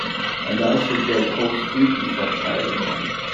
And I should get cold feet if I tried again.